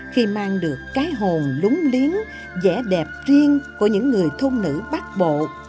khi mang được cái hồn lúng liếng dẻ đẹp riêng của những người thôn nữ bắc bộ